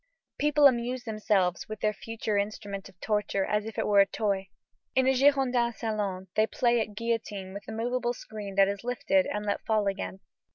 People amuse themselves with their future instrument of torture as if it were a toy. In a Girondin salon they play at guillotine with a moveable screen that is lifted and let fall again.